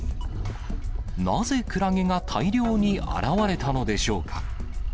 なぜクラゲが大量に現れたのでしょうか。